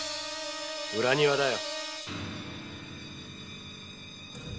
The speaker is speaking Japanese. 裏庭だよ。